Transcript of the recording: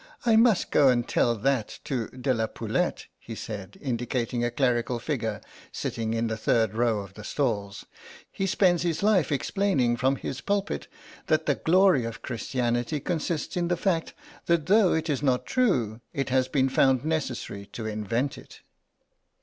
"I must go and tell that to De la Poulett," he said, indicating a clerical figure sitting in the third row of the stalls; "he spends his life explaining from his pulpit that the glory of Christianity consists in the fact that though it is not true it has been found necessary to invent it."